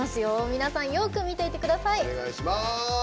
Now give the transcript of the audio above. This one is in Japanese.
皆さん、よく見ていてください。